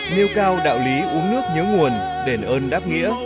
nêu cao đạo lý uống nước nhớ nguồn đền ơn đáp nghĩa